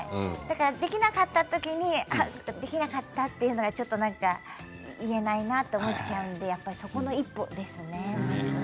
できなかった時にできなかったと言うのがちょっとなんか言えないなと思っちゃうのでやっぱりそこの一歩ですね。